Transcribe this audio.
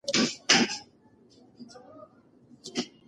بری کله ناکله ازموینه وي.